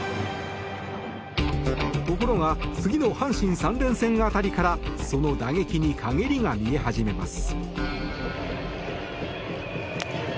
ところが次の阪神３連戦辺りからその打撃に陰りが見え始めます。